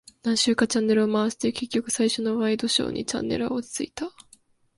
何周かチャンネルを回して、結局最初のワイドショーにチャンネルは落ち着いた。